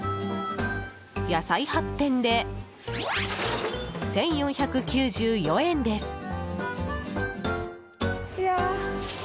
野菜８点で、１４９４円です！